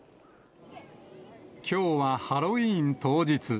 きょうはハロウィーン当日。